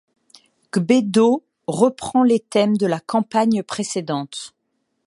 Gbèdo reprend les thèmes de la campagne précédente.